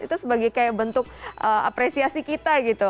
itu sebagai kayak bentuk apresiasi kita gitu